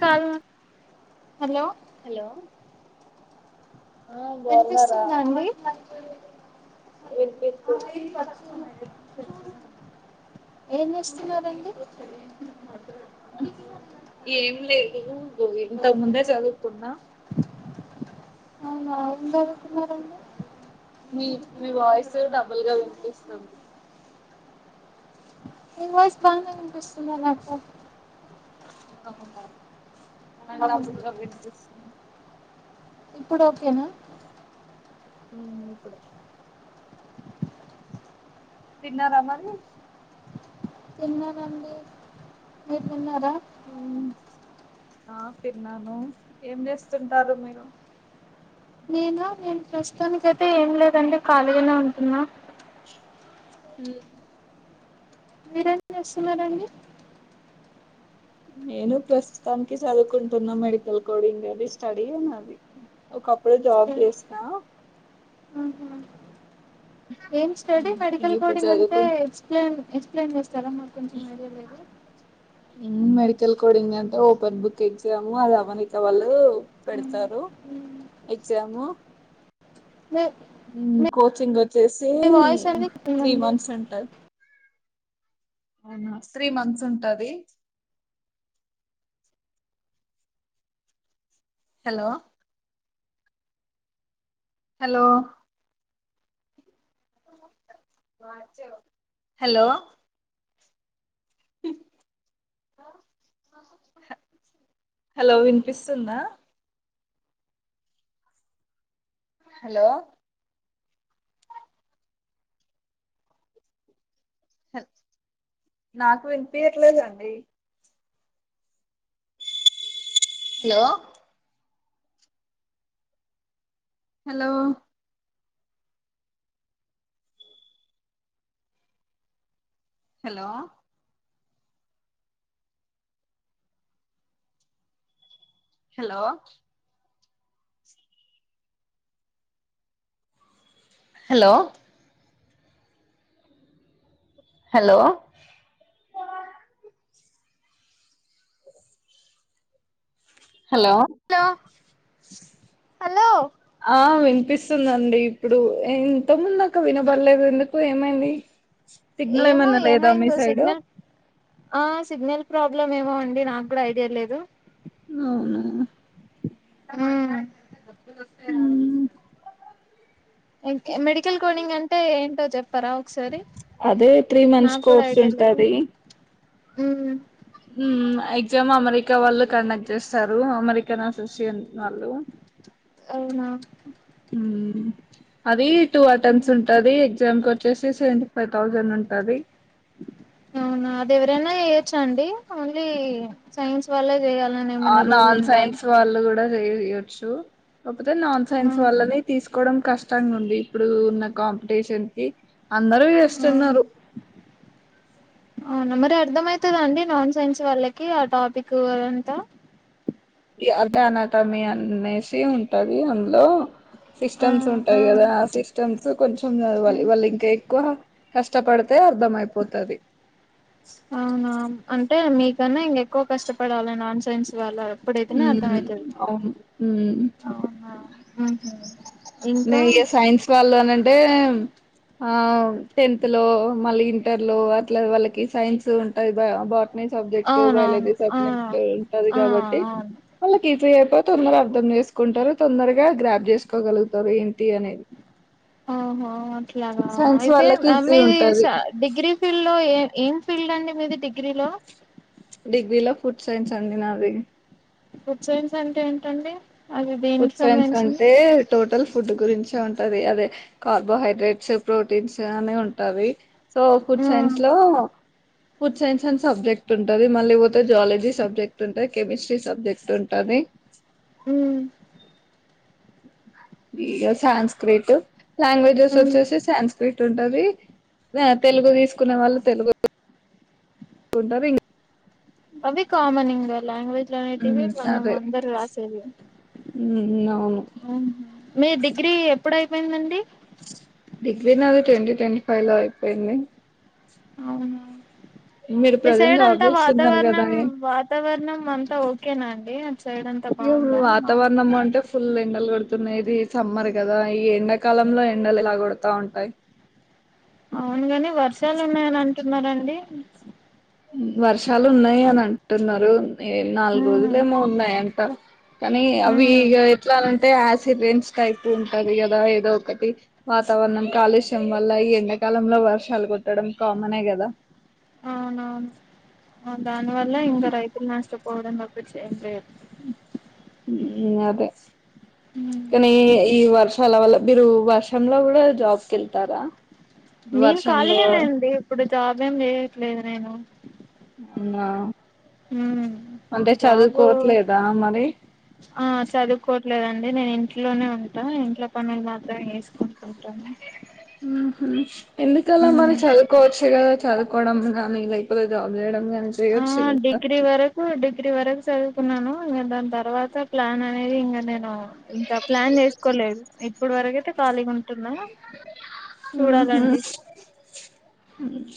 Call hello hello ఆ బాగున్నారా వినిపిస్తుందా అండి వినిపిస్తుంది. ఏం చేస్తున్నారండి ఏం లేదు ఇంతకు ముందే చదువుకున్నా అవునా ఎం చదువుతున్నారు అండి మీ మీ వాయిస్ డబుల్ గా వినిపిస్తుంది ని వాయిస్ బానే వినిపిస్తుందే నాకు అవునా మ తపుగా వినిపిస్ ఇప్పుడు ఓకేనా మ్ ఇప్పుడు ఒక్ తిన్నార మరి తిన్నానండి మీరు తిన్నారా ఆ తిన్నాను ఏం చేస్తుంటారు మీరు నేను ప్రస్తుతానికైతే ఏం లేదండి ఖాళీగానే ఉంటున్నా మ్మ్ మీరేం చేస్తున్నారండి నేను ప్రస్తుతానికి చదువుకుంటున్నా మెడికల్ కో ఇం అది స్టడీ అని అది ఒక ప్పుడు జాబ్ చేసిన ఆహా ఏం స్టడి ఉమ్, ఇక మెడికల్ ఇప్పుడు కోడింగ్ అంటే చదువుకుంట ఎక్స్ప్లైన్ ఎక్స్ప్లెయిన్ చెస్ స్తారా మాకు కొంచెం నరయలేదు మెడికల్ కోడింగ్ అంటే ఓపెన్ బుక్ ఎగ్జామ్ అది అవనిక వాళ్ళు పెడతారు ఎగ్జామ్ మీ కోచింగ్ వచ్చేసి మీ వాయిస్ అనేది త్రీ అండి మంత్స్ అంటారు అవునా త్రీ మంత్స్ ఉంటది హలో హలో హలో హలో వినిపిస్తుందా హలో హాల్ నాకు వినిపించర్లేదండి hello hello hello hello hello hello hello hello hello ఆ వినిపిస్తుందండి ఇప్పుడు ఇంతకుముందు క వినబడలేదు ఎందుకు ఏమైంది సిగ్నల్ ఏమో ఏమన్నా లేదా మీ ఏమైందో సైడు సిగ్నల్ ఆ సిగ్నల్ ప్రాబ్లమ్ ఏమో అండి నాకు కూడా ఐడియా లేదు అవున మ్మ్ స్తే మ్మ్. మెడికల్ కోడింగ్ అంటే ఏంటో చెప్ అదే త్రీ మంత్స్ కోర్స్ ఉంటది మ్మ్ మ్మ్ మ్మ్ ఎగ్జామ్ అమెరికా వాళ్ళు కండక్ట్ చేస్తారు అమెరికన్ అసోసియేషన్ వాళ్ళు అవునా అది టూ అటెంప్ట్స్ ఉంటది ఎగ్జామ్ కి వచ్చేసి సెవె ఫైవ్ థౌజండ్ ఉంటది అవునా అది ఎవరైనా చేయొచ్చ అండి ఓన్లీ సైన్స్ వాళ్లే చేయాల ఆ నాన్ సైన్స్ వాళ్ళు కూడా చేయొచ్చు కాకపోతే నాన్ సైన్స్ వాల్లని తీసుకోవడం కష్టంగా ఉంది ఇప్పుడు ఉన్న కాంపిటీషన్ కి అందరు చేస్తున్నారు అవునా మరి అర్థ అయితదదండి నాన్ సైన్స్ వాళ్ళకి ఆ టాపిక్ అంతా ఈ అర్థ అనటమి అనేసి ఉంటది అందులో సిస్టమ్స్ ఉంటాయి కదా ఆ సిస్టమ్స్ కొంచెం చదవాలి వాళ్ళు ఇంకా ఎక్కువ కష్టపడితే అర్ధం అయిపోతుది అవునా అంటే మీకన్నా ఇంక ఎక్కువ కష్టపడాలి నాన్ సైన్స్ వాళ్ళ ఉమ్ ఊహు ఇంకా నయ సైన్స్ వాళ్ళ అనన్ అంటే ఆ టెన్త్ లో మళ్ళీ ఇంటర్ లో అట్లా వాళ్ళకి సైన్స్ ఉంటాది బా సబ్జెక్ట్ అవునవును బయాలజీ ఆ సబ్జెక్ట్ ఉంటది ఆ కాబట్టి అవును వాళ్ళకిస అ తొందర అర్థం చేసుకుంటారు తొందరగా గా గ్రాప్ చేసుకోగలుగుతారు ఏంటి అనేది ఓహో అట్లాగా సైన్స్ అయితే వాళ్ళకి ఈజీ మీది ఉంటది డిగ్రీ ఫీల్డ్ లో ఏ ఏం ఫీల్డ్ అండి మీది డిగ్రీలో డిగ్రీలో ఫుడ్ సైన్స్ అండి నాది ఫుడ్ సైన్స్ అంటే ఏంటండి అది ఫుడ్ దేనికి సైన్స్ సంబంధించింది అంటే టోటల్ ఫుడ్ గురించే ఉంటది అదే కార్బోహైడ్రేట్స్ ప్రోటీన్స్ అని ఉంటావి సో ఫుడ్ ఆ సైన్స్ లో ఫుడ్ సైన్స్ అం సబ్జెక్ట్ ఉంటుంది మళ్ళీ పోతే జాలజీ సబ్జెక్ట్ ఉంటుంది కెమిస్ట్రీ సబ్జెక్ట్ ఉంటుంది ఉ ఈ సాన్స్క్రిట్ లాంగ్వేజెస్ ఉమ్ వచ్చేసి సాన్స్క్రిట్ ఉంటుంది తెలుగు తీసుకునే వాళ్ళ తెలుగు కొంటరూ అవి కామని ఇంగ లాంగ్వేజ్ లో అనేటివి మనం అందరు రాసేది ఉ ఆ మీ డిగ్రీ ఎప్పుడయిపోయిందండి డిగ్రీ నాది ట్వంటీ ట్వంటీ ఫైవ్ లో అయిపోయింది అవునా మీరు మీ ప్రజెంట్ సైడ్ జాబ్ అంతా చేస్తున్నారు కదా వాతావరణం వాతావరణం అంతా ఓకేనా అండి సైడ్ అంతా ఇయ బాగుందా మా వాతావరణమ్మౌంట ఫుల్ ఎండలు కొడుతున్నది సమ్మర్ కదా ఈ ఎండాకాలంలో ఎండలు ఇలా కొడతా ఉంటాయి అవునుగాని వర్షాలు ఉన్నాయని అంటున్నారండి వర్ష చాలా ఉన్నాయి అని అంటున్నారు ఏ నాలుగు రోజులు ఉమ్ ఏమో ఉన్నాయంట కానీ అవి ఇ ఉమ్ ఎట్లాలంటే సిరెంస్ టైప్ ఉంటది కదా ఏదో ఒకటి వాతావరణం కాలుష్యం వల్ల ఈ ఎండాకాలంలో వర్షాలు కొట్టడం కామనే కదా అవునవును అ దావల్ ఇంగా రైతు నా పోడుంగా చె అదే కానీ ఈ వర్ష చాలా వల్ల మీరు వర్షంలో కూడా జాబ్కిల్తారా వర్షంలో జాబేం చేయట్లేదు నేను నా ఉమ్ అంటే జాబ్ చదువుకోవట్లేదా మరి ఆ చదువుకోవట్లేదండి నేను ఇంట్లోనే ఉంటాను ఇంట్ల పనులు మాత్రం వేసుకుంటుంటాను ఊ హ్మ్ ఎందుకలా మరి చదువుకోవచ్చు కదా చదువుకోవడం కానీ లేైపోతే జాబ్ చేయడం కానీ ఆ డిగ్రీ వరకు డిగ్రీ వరకు చదు కున్నాను ఇంక దాని తర్వాత ప్లాన్ అనేది ఇంకా నేను ఇంకా ప్లాన్ చేసుకోలేదు ఇప్పుడు వరకు అయితే ఖాళీగా ఉంటుంద ఊ హ్మ్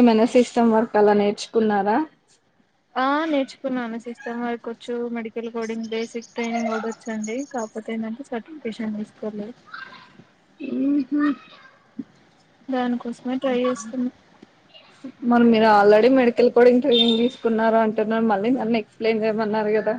ఏమన్న సిస్టమ్ వర్క్ అలా నేర్చుకున్నారా ఆ నేర్చుకున్నాను సిస్టమ్ వర్క్ వచ్చు మెడికల్ కోడింగ్ బేసిక్ ట్రైనింగ్ కూడా వచ్చండి కాకపోతే ఏంటంటే సర్టిఫికేషన్ తీసుకోవాలి హ్మ్ దానికోసమే ట్రై చేస్తున్నా మరి మీరు ఆల్రెడీ మెడికల్ కోడింగ్ ట్రైనింగ్ తీసుకున్నారు అంటున్నారు మళ్ళీ నన్ను ఎక్స్ప్లెయిన్ చేయమన్నారు కదా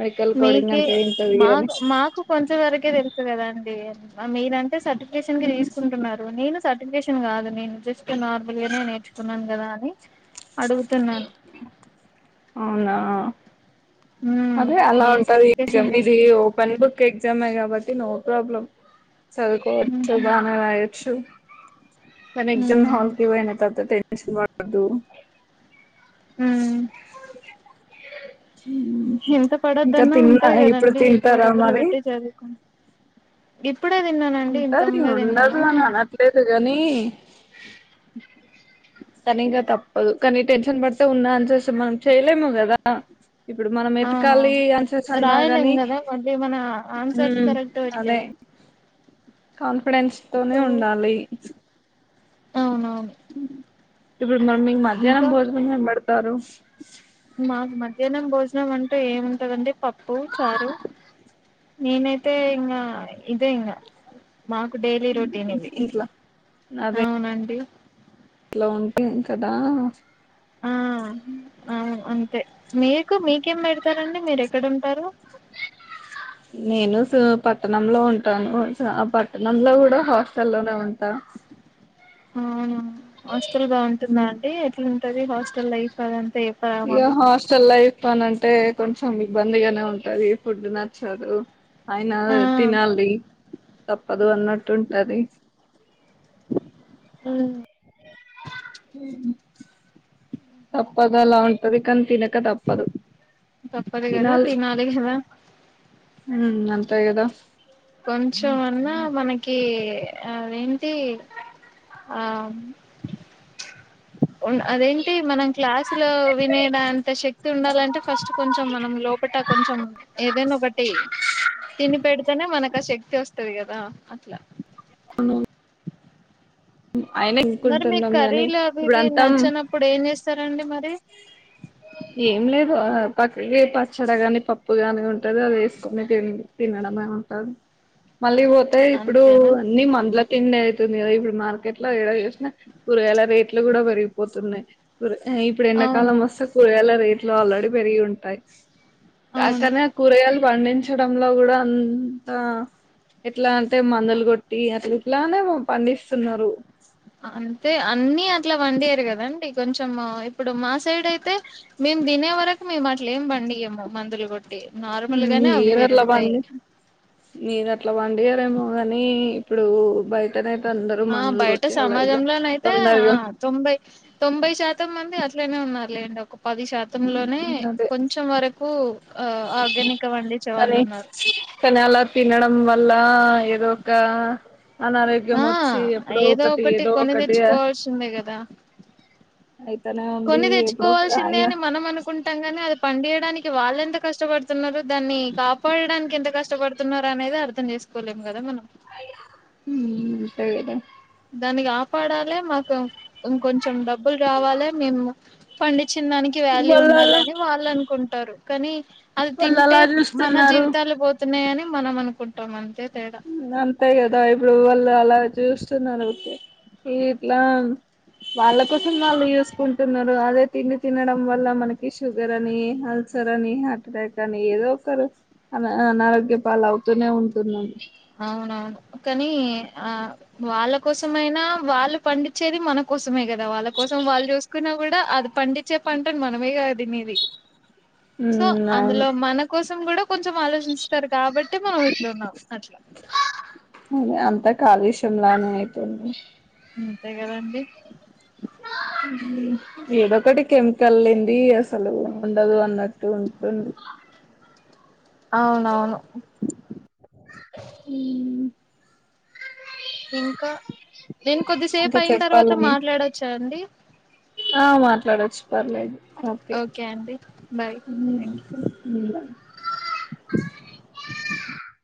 మెడికల్ కోడింగ్ మీకె అంటే ఏంటది అని మాకు మాకు కొంచెం వరకే తెలుసు కదాండి, ఎ మీరా సర్టిఫికేషన్ ఇంకా ఊహు తీసుకుంటున్నారు, నేను సర్టిఫికేషన్ కాదు నేను జస్ట్ నార్మల్ గానే నేర్చుకున్నాను కదా అని అడుగుతున్నాను. అవునా హ్మ్ అదే అలా నేను ఉంటది, సర్టిఫికేషన్ ఎగ్జామ్ ఇది తీసుకుర్రు ఓపెన్ బుక్ ఎగ్జామ్, బట్టి నో ప్రాబ్లమ్ హ్మ్ చదువుకోవచ్చు బాగా రాయొచ్చు కానీ ఎగ్జామ్ హాల్కి పోయిన తరుత, షన్మాదురం హ్మ్ [unintelligible] ఎంత ఇంకా పడొద్దన్న తిన్నా ఉంటయి, ఇప్పుడు కదండి ఎక్కువ తింటారా డబ్బులు మరి పెట్టి చదువుకు ఇప్పు ఇప్పుడే తిన్నానండి, ఇంత ముందే తిన్నాను కానీ కానీ తప్పదు కానీ టెన్షన్ పడితే ఉన్నా ఆన్సర్స్ మనం చేయలేము కదా, ఇప్పుడు మనం అవునా ఎతకాలి ఆన్సర్స్ అన్నా రాయలేం గాని కదా మళ్ళీ మన ఆన్సర్స్ కరెక్ట్ గా లేవు, కాలు ఫ్రెండ్స్ తోనే ఉండాలి. అవునవును ఇప్పుడు మ మీ మధ్యాహ్నం ఇంకా భోజనం ఎం త్తారు మాకు మధ్యాహ్నం భోజనం అంటే ఏముంటందండి, పప్పు చారు నేనైతే ఇంకా ఇదే ఇంకా మాకు డైలీ రొటీన్ ఇది ఇంట్లా అవునండి. అంటే ఇక్కడ ఆ అవును అంతే మీకు మీకేం పెడతారండి మీరు ఎక్కడంటారు. నేను సి పట్టణంలో ఉంటాను, పట్టణంలో కూడా హాస్టల్ల్లోనే ఉంటా, అవునా హాస్టల్ బాగుంటుందా ఉమ్ అండి ఎట్లాంటది, హాస్టల్ లైఫ్ అది అంతా చెప్పవా ఇగ మాకు, హాస్టల్ లైఫ్ అని అంటే కొంచెం ఇబ్బందిగానే ఉంటది ఫుడ్ నచ్చదు. అయినా ఆ తినాలి, తప్పదు అన్నట్టు ఉంటది. ఉ ఉహు తప్పదలా ఇవే కానీ తిన్నం తినక తప్పదు, తప్పదు కదా తినాలి కదా ఉ అంత యదా కొంచెం అన్న మనకి అదేంటి ఆ ఉన్ అదేంటి మనం క్లాస్లో వినేదంత శక్తి ఉండాలంటే ఫస్ట్ కొంచం మనం లోపట కొంచం ఏదైనా ఒకటి. తిని పెడ్తేనే మనక్ ఆ శక్తి ఒస్తది కదా అట్ల అను ఆయ్నక్ మరి మీకు కుంటున్నం కానీ కర్రీలు అవి ఇప్పుడు ఇవి అంతాం నచ్చనప్పుడు ఏం చేస్తారండి మరి ఏం లేదు ఆ. పక్కకి పచ్చడ గాని పప్పు గాని ఉంటది అది వేస్కొని తిన్ తినడమే ఉంటది మళ్ళీ వోతే ఇప్పుడు అంతేనా అన్ని మంద్లాక్ ఎండైతుంది గద ఇప్పుడు మార్ కెట్ల ఎడ చేసినా కూరగాయల రేట్లు కూడా పేరిగిపోతున్నయ్ ఇప్పుడు అవును ఎండాకాలం ఒస్తే కూరగాయల రేట్లు ఆల్రెడీ పెరిగి ఉంటాయి అవును కాకనే కూరగాయ్లు పండించడంలో గుడ అంత ఎట్ల అంటే మందల్ కొట్టి అట్ల ఇట్లానే పండిస్తున్నారు. అంతే అన్నీ అట్ల వండియర్ కదండి కొంచం ఇప్పుడు మా సైడ్ అయితే మేమ్ దినే వరకు మే అట్ లేం బండియమ్మ మందులు కోట్ మీర్ అట్ల బండి మీర్ అట్ల బండియరేమో గానీ ఇప్పుడు బయ్ ఆ బయట సమాజంలోన అయితే ఆ తొందరగా తొంభై తొంభై శాతం మంది అ ట్లానె ఉన్నార్ లేండ్ ఒక్ పది శాతంలోనే కొంచం వరక్ కు కని కని అలా తినడం వల్ల ఆ ఏదో ఒక్క అనారోగ్యం ఆ ఒచ్చి ఎప్పుడో ఒకటి ఏదో ఒకటి అ ఐ కొన్ని తెచ్చుకోవాల్సిందే అని మనం అనుకుంటాం గానీ అది పండియడానికి వాళ్ళెంత కష్టపడ్తున్నారు దాన్ని కాపాడడన్కి ఎంత కష్టపడ్తున్నారు అనేది అర్థం చేసుకోలేం కదా మనం ఉమ్ దే కదా దాని గాపాడాలే మకుం ఇంకొంచం డబ్బుల్ రావాలే మేము పండి చిన్ననికి వ్యాల్యూ వాళ్ళు అలా ఉండాలని వాళ్ళనుకుంటారు కనీ అది వాళ్ళు తింటే అలా మన చూస్తున్నారు జీవితాలు పోతున్నాయని మనం అనుకుంటం అంతే తేడా అంతేగదా ఇప్పుడు వాళ్ళు అలా చూస్తున్నారు ఓకే ఇట్లా వాళ్ళ కోసం వాళ్ళు చూసుకుంటున్నారు అదే తిండి తినడం వల్ల మనకి షుగర్ అని అల్సర్ అని హార్ట్ అటాక్ అని ఏదో ఒకరు అ అనారోగ్యపాల అవుతూనే ఉంటున్నారు అవునవును కానీ ఆ వాళ్ళ కోసమైనా వాళ్ళు పండించేది మన కోసమే కదా వాళ్ళ కోసం వాళ్ళు చూసుకున్నా కూడా అది పండించే పంటని మనమే కదా తినది సో ఉమ్ అవును అందులో మన కోసం కూడా కొంచెం ఆలోచిస్తారు కాబట్టి మనం ఇట్లు ఉన్నాం అట్ల అంత కాలుష్యం లానే అయితుంది అంతే కదండి ఏదొ ఒకటి కెమికల్ లేంది అసలు ఉండదు అన్నట్ ట్టు ఉంటుంది అవునవును ఉమ్ ఇంకా నేను కొద్దిసేపు ఇంకా అయిన తర్వాత చెప్పాలని మాట్లాడొచ్చా అండి చ్చు పర్లేదు ఓకే అండి బాయ్ థ్యాంక్ ఉమ్ [inaudible]